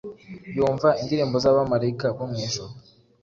Yumva indirimbo z’abamalayika bo mu ijuru,